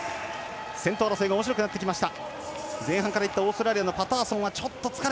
先頭争いがおもしろくなってきました。